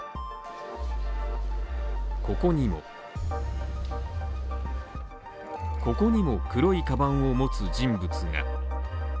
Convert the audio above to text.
ここにもここにも、黒いかばんを持つ人物が。